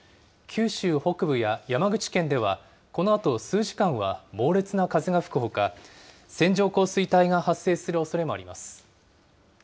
九州北部や山口県では、このあと数時間は猛烈な風が吹くほか、線状降水帯が発生するおそれがあります。